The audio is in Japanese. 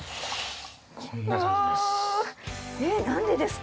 こんな感じです。